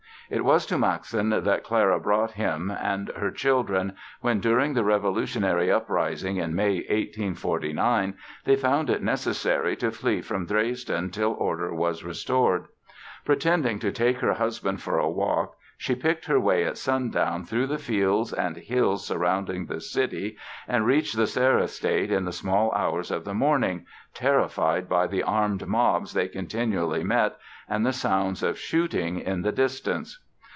It was to Maxen that Clara brought him and her children when, during the revolutionary uprising in May, 1849, they found it necessary to flee from Dresden till order was restored. Pretending to take her husband for a walk she picked her way at sundown through the fields and hills surrounding the city and reached the Serre estate in the small hours of the morning, terrified by the armed mobs they continually met and the sounds of shooting in the distance.